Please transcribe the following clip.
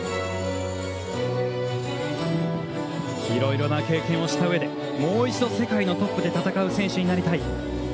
いろいろな経験をしたうえでもう一度、世界のトップで戦う選手になりたい。